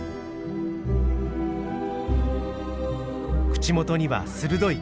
口元には鋭い牙。